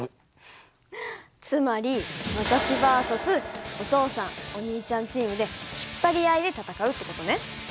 つまり私ＶＳ．お父さんお兄ちゃんチームで引っ張り合いで戦うって事ね。